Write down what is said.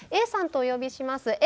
Ａさんとお呼びします。